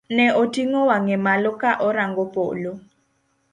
Ne oting'o wang'e malo ka orango polo.